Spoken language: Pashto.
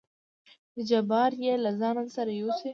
چې جبار يې له ځانه سره يوسي.